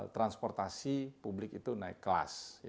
transportasi publik itu naik kelas